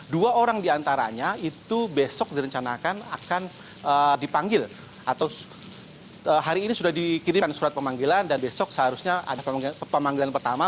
dua orang diantaranya itu besok direncanakan akan dipanggil atau hari ini sudah dikirimkan surat pemanggilan dan besok seharusnya ada pemanggilan pertama